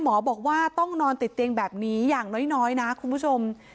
หมอบอกว่าต้องนอนติดเตียงแบบนี้อย่างน้อยนะคุณผู้ชม